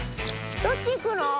どっち行くの？